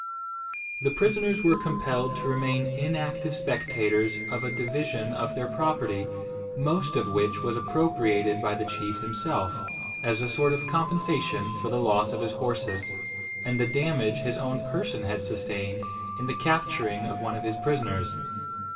The prisoners were compelled to remain inactive spectators of a division of their property, most of which was appropriated by the chief himself, as a sort of compensation for the loss of his horses, and the damage his own person had sustained in the capturing of one of his prisoners.